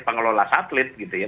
pengelola satelit gitu ya